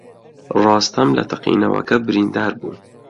ڕۆستەم لە تەقینەوەک بریندار بوو.